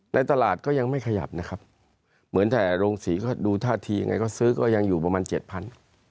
ในตลาดก็ยังไม่ขยับนะครับเหมือนแต่โรงศรีก็ดูท่าทียังไงก็ซื้อก็ยังอยู่ประมาณเจ็ดพัน